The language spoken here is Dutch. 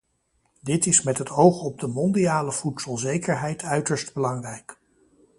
Dit is met het oog op de mondiale voedselzekerheid uiterst belangrijk.